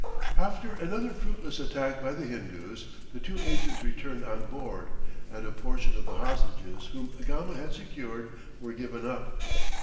After another fruitless attack by the Hindoos, the two agents returned on board, and a portion of the hostages whom Gama had secured were given up.